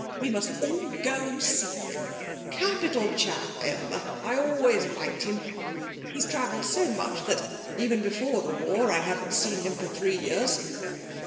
We must all go and see him. Capital chap, Aylmer. I always liked him. He's travelled so much that even before the war I hadn't seen him for three years.'